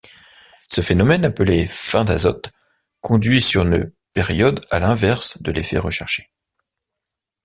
Ce phénomène, appelé faim d'azote, conduit sur une période à l'inverse de l'effet recherché.